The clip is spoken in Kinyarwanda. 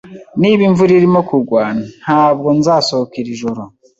Niba imvura irimo kugwa, ntabwo nzasohoka iri joro.